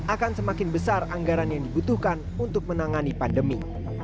akan semakin besar anggaran yang dibutuhkan untuk menangani pandemi